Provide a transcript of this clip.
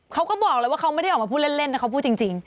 เขาก็บอกเลยว่าเขาไม่ได้ออกมาพูดเล่นนะเขาพูดจริง